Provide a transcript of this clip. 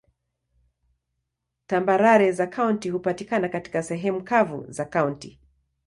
Tambarare za kaunti hupatikana katika sehemu kavu za kaunti.